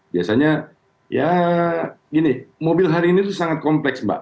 biasanya ya gini mobil hari ini itu sangat kompleks mbak